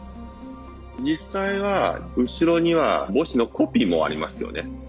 実際は後ろには墓誌のコピーもありますよね。